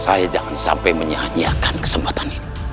saya jangan sampai menyanyiakan kesempatan ini